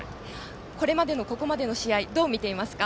これまでのここまでの試合どう見ていますか？